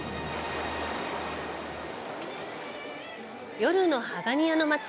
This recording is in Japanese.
夜のハガニアの街。